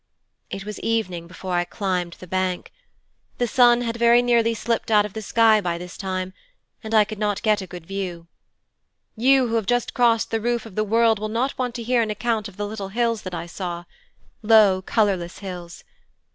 'It was evening before I climbed the bank. The sun had very nearly slipped out of the sky by this time, and I could not get a good view. You, who have just crossed the Roof of the World, will not want to hear an account of the little hills that I saw low colourless hills.